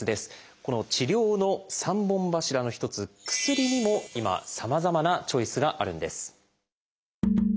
この治療の三本柱の一つ薬にも今さまざまなチョイスがあるんです。